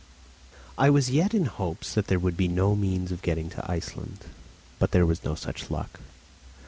I was yet in hopes that there would be no means of getting to Iceland. But there was no such luck.